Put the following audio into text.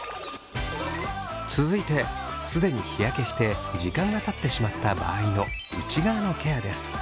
続いて既に日焼けして時間がたってしまった場合の内側のケアです。